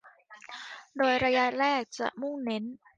โดยระยะแรกจะมุ่งเน้น